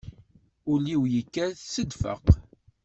Ul-iw yekkat s ddfeq.